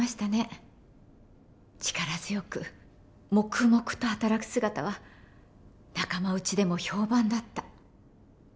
力強く黙々と働く姿は仲間うちでも評判だった。